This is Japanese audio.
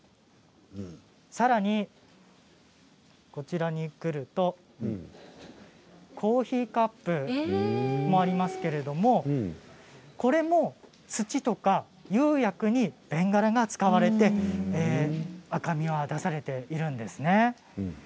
さらに、こちらに来るとコーヒーカップもありますけれどもこれも土とか釉薬にベンガラが使われて赤みは出されているんですね。